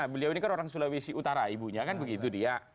beliau ini kan orang sulawesi utara ibunya kan begitu dia